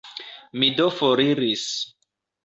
Mi do foriris.